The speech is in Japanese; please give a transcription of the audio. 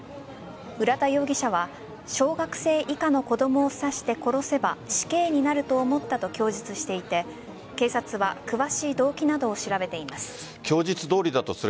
浦田容疑者は小学生以下の子供を刺して殺せば死刑になると思ったと供述していて警察は詳しい動機などを調べています。